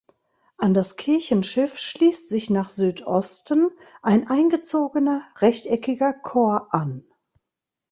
An das Kirchenschiff schließt sich nach Südosten ein eingezogener rechteckiger Chor an.